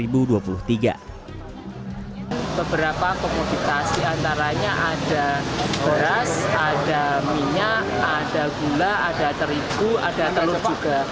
beberapa komodifikasi antaranya ada beras ada minyak ada gula ada terigu ada telur juga